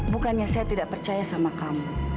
bukannya saya tidak percaya sama kamu